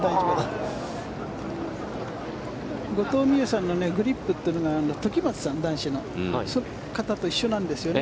後藤未有さんのグリップというのが男子の時松さん一緒なんですよね。